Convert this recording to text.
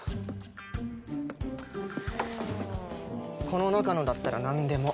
この中のだったら何でも。